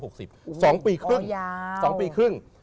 ก็เยี่ยมยกสองปีครึ่ง